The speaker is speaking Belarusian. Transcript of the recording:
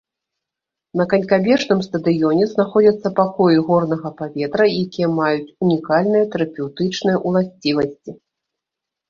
На канькабежным стадыёне знаходзяцца пакоі горнага паветра, якія маюць унікальныя тэрапеўтычныя уласцівасці.